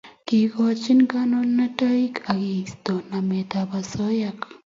Kekoch konunotoik ak keisto nametab osoya